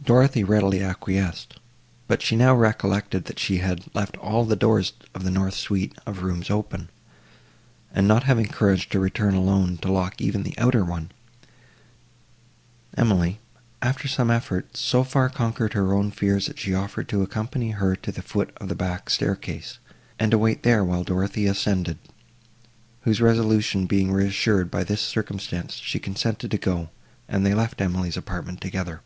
Dorothée readily acquiesced; but she now recollected that she had left all the doors of the north suite of rooms open, and, not having courage to return alone to lock even the outer one, Emily, after some effort, so far conquered her own fears, that she offered to accompany her to the foot of the back staircase, and to wait there while Dorothée ascended, whose resolution being reassured by this circumstance, she consented to go, and they left Emily's apartment together.